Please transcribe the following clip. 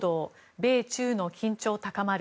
米中の緊張高まる。